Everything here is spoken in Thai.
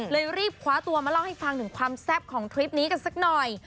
รีบคว้าตัวมาเล่าให้ฟังถึงความแซ่บของทริปนี้กันสักหน่อย